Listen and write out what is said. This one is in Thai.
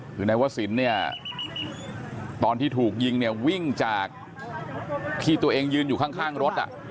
คือนายวศิลป์เนี่ยตอนที่ถูกยิงเนี่ยวิ่งจากที่ตัวเองยืนอยู่ข้างรถ